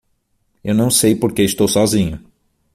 Eu não sei porque estou sozinho